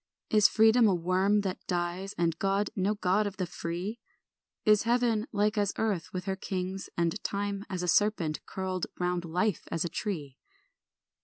Is Freedom a worm that dies, And God no God of the free? Is heaven like as earth with her kings And time as a serpent curled Round life as a tree?